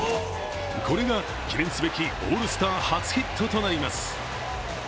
これが記念すべきオールスター初ヒットとなります。